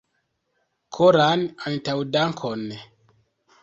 Koran antaŭdankon!